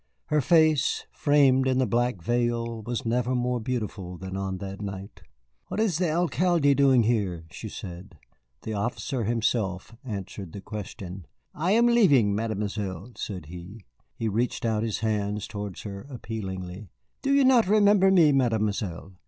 Her face, framed in the black veil, was never more beautiful than on that night. "What is the Alcalde doing here?" she said. The officer himself answered the question. "I am leaving, Mademoiselle," said he. He reached out his hands toward her, appealingly. "Do you not remember me, Mademoiselle?